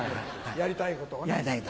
やりたいこと。